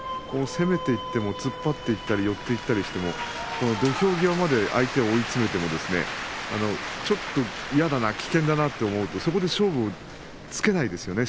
攻めていって突っ張っていったり寄っていったりしても土俵際まで相手を追い詰めてもちょっと嫌だな危険だなと思うとそこで勝負をつけないですよね。